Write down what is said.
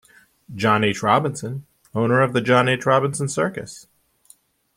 John H. Robinson, owner the John H. Robinson Circus.